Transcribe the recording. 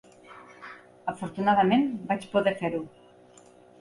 Afortunadament, vaig poder fer-ho.